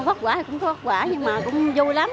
quốc quả cũng có quả nhưng mà cũng vui lắm